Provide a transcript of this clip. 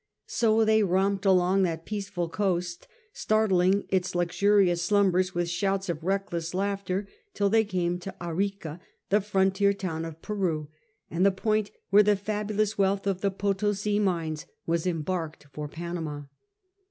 So they romped along that peaceful coast, startling its luxurious slumbers with shouts of reckless laughter till they came to Arica, the frontier town of Peru and the point where the fabulous wealth of the Potosi mines was embarked for Panama.